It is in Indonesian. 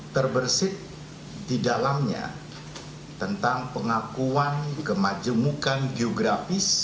terbersih di dalamnya tentang pengakuan kemajemukan geografis